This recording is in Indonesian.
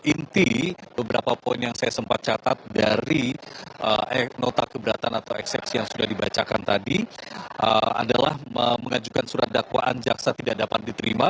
inti beberapa poin yang saya sempat catat dari nota keberatan atau eksepsi yang sudah dibacakan tadi adalah mengajukan surat dakwaan jaksa tidak dapat diterima